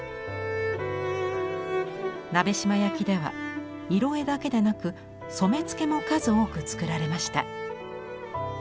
鍋島焼では色絵だけなく染付も数多く作られました。